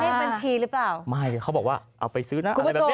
เลขบัญชีหรือเปล่าไม่เขาบอกว่าเอาไปซื้อนะอะไรแบบนี้